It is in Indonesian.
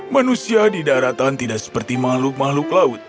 manusia di daratan tidak seperti makhluk makhluk laut